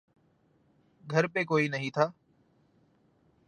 گھر پے کوئی نہیں تھا۔